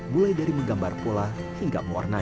mulai dari menggambar pula hingga mewarnai